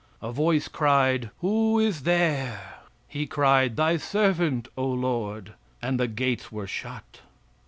A voice cried, "Who is there?" He cried, "Thy servant, O Lord;" and the gates were shut.